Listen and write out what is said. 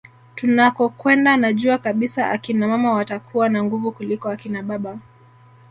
Tunakokwenda najua kabisa akina mama watakuwa na nguvu kuliko akina baba